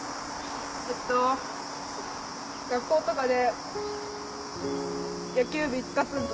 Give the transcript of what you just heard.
えっと学校とかで。